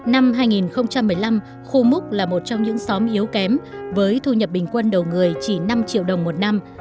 năm hai nghìn một mươi năm khu múc là một trong những xóm yếu kém với thu nhập bình quân đầu người chỉ năm triệu đồng một năm